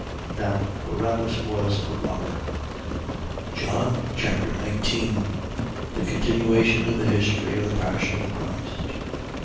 Now Barabbas was a robber. John Chapter 19 The continuation of the history of the Passion of Christ.